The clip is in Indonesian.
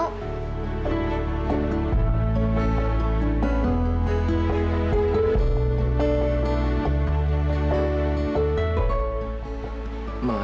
ibu pasti mau